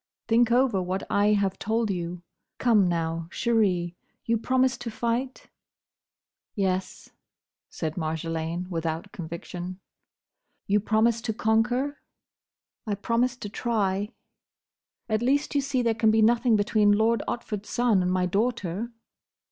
Think over what I have told you. Come, now, chérie, you promise to fight?" "Yes," said Marjolaine, without conviction. "You promise to conquer?" "I promise to try." "At least you see there can be nothing between Lord Otford's son and my daughter?"